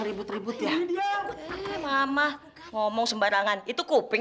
diracikan maya sendiri loh pak